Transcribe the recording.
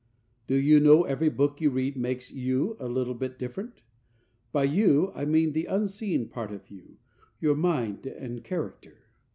Do you know every book you read makes you a little bit different? By you, I mean the unseen part of you, your mind and character.